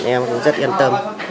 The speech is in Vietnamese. em cũng rất yên tâm